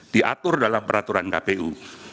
diatur dalam peraturan kpu